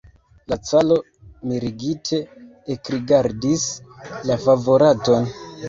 La caro mirigite ekrigardis la favoraton.